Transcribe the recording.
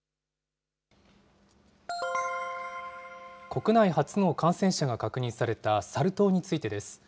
国内初の感染者が確認されたサル痘についてです。